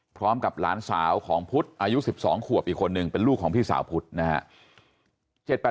พร้อมกับหลานสาวของพุทธอายุ๑๒ขวบอีกคนนึงเป็นลูกของพี่สาวพุทธนะฮะ